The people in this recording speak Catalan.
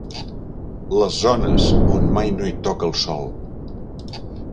Les zones on mai no hi toca el sol.